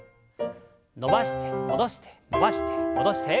伸ばして戻して伸ばして戻して。